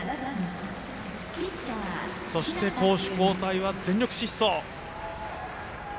そして攻守交替は全力疾走。